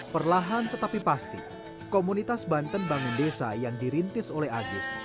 perlahan tetapi pasti komunitas banten bangun desa yang dirintis oleh agis